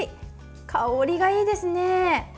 香りがいいですね！